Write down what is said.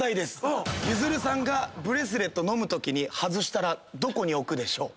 ゆずるさんがブレスレット。飲むときに外したらどこに置くでしょう？